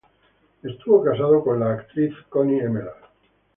Estuvo casado con la actriz Connie Emerald.